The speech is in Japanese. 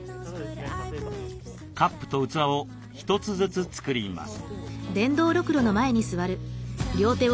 カップと器を一つずつ作ります。